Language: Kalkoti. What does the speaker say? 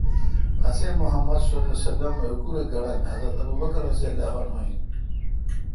اسے°محمدؐہیکوراے° گڑن حضرت ابوبکؓر این